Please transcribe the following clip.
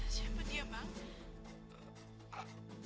siapa dia mak